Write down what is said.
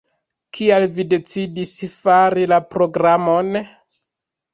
Kial vi decidis fari la programon?